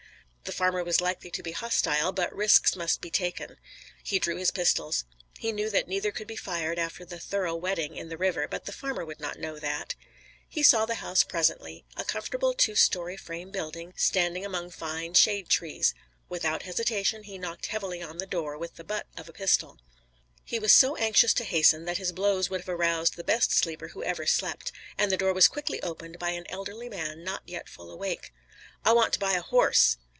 The farmer was likely to be hostile, but risks must be taken. He drew his pistols. He knew that neither could be fired after the thorough wetting in the river, but the farmer would not know that. He saw the house presently, a comfortable two story frame building, standing among fine shade trees. Without hesitation he knocked heavily on the door with the butt of a pistol. He was so anxious to hasten that his blows would have aroused the best sleeper who ever slept, and the door was quickly opened by an elderly man, not yet fully awake. "I want to buy a horse."